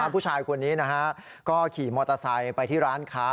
ผู้ชายคนนี้นะฮะก็ขี่มอเตอร์ไซค์ไปที่ร้านค้า